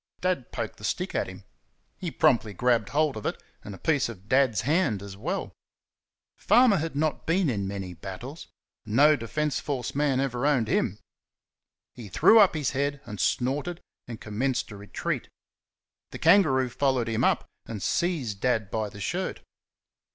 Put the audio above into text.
Dad poked the stick at him. He promptly grabbed hold of it, and a piece of Dad's hand as well. Farmer had not been in many battles no Defence Force man ever owned him. He threw up his head and snorted, and commenced a retreat. The kangaroo followed him up and seized Dad by the shirt.